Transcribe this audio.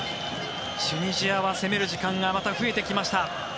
チュニジアは攻める時間がまた増えてきました。